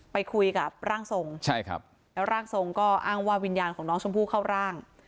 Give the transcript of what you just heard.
ไปคุยกับร่างทรงใช่ครับแล้วร่างทรงก็อ้างว่าวิญญาณของน้องชมพู่เข้าร่าง